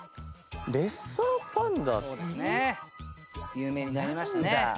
有名になりましたね。